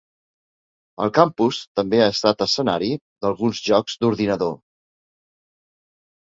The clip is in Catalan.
El campus també ha estat escenari d'alguns jocs d'ordinador.